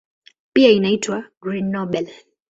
Pia inaitwa "Green Nobel".